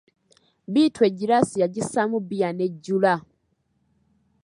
Bittu egiraasi yagissamu bbiya n'ejjula.